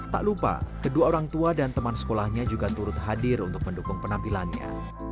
tak lupa kedua orang tua dan teman sekolahnya juga turut hadir untuk mendukung penampilannya